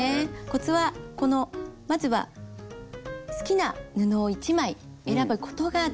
コツはまずは好きな布を１枚選ぶことが大事です。